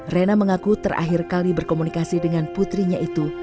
rena mengaku terakhir kali berkomunikasi dengan putrinya itu